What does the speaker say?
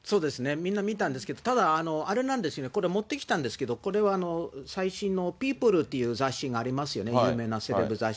みんな見たんですけど、ただ、あれなんですね、これ、持ってきたんですけど、これは最新のピープルっていう雑誌がありますよね、有名なセレブ雑誌。